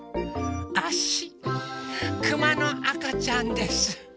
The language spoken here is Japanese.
あしくまのあかちゃんです。